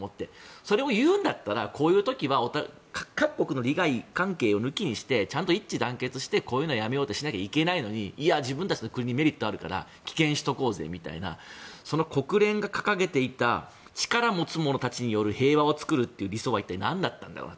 それを言うんだったらこういう時は各国の利害関係を抜きにしてちゃんと一致団結してこういうのはやめようとしないといけないのにいや、自分たちの国にメリットあるから棄権しておこうぜみたいな国連が掲げていた力持つ者たちによる平和を作るという理想は一体何だったのかと。